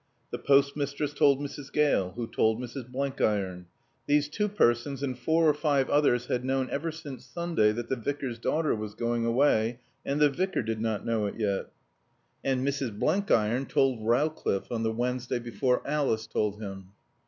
The postmistress told Mrs. Gale, who told Mrs. Blenkiron. These two persons and four or five others had known ever since Sunday that the Vicar's daughter was going away; and the Vicar did not know it yet. And Mrs. Blenkiron told Rowcliffe on the Wednesday before Alice told him.